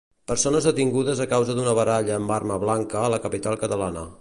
Persones detingudes a causa d'una baralla amb arma blanca a la capital catalana.